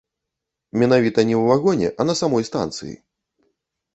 Менавіта не ў вагоне, а на самой станцыі.